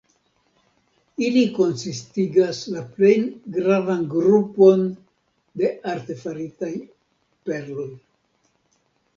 Ili konsistigas la plej gravan grupon de artefaritaj perloj.